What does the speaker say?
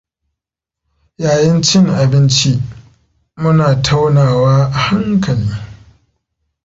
Yayin cin abinci, muna taunawa a hankali.